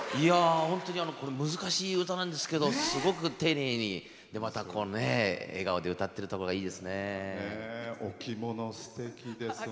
本当に難しい歌なんですけどすごく丁寧に、また笑顔で歌ってるところがいいですね。